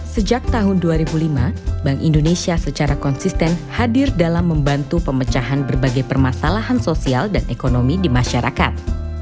sejak tahun dua ribu lima bank indonesia secara konsisten hadir dalam membantu pemecahan berbagai permasalahan sosial dan ekonomi di masyarakat